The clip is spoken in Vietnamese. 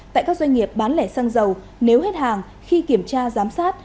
tại các doanh nghiệp bán lẻ xăng dầu nếu hết hàng khi kiểm tra giám sát